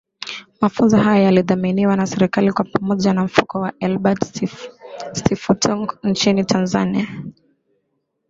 Mafunzo haya yalidhaminiwa na serikali kwa pamoja na mfuko wa Ebert Stiftung nchini Tanzania